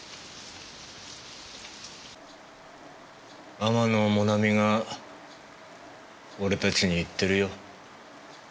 天野もなみが俺たちに言ってるよ。